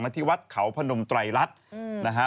ที่วัดเขาพนมไตรรัฐนะฮะ